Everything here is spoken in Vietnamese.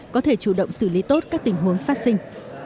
có thể chủ động xử lý tốt các tình huống phát sinh